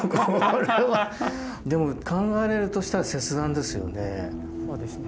でも考えられるとしたら切断ですよね。